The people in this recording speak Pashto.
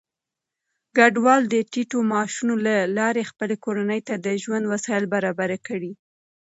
کډوال د ټيټو معاشونو له لارې خپلې کورنۍ ته د ژوند وسايل برابر کړي.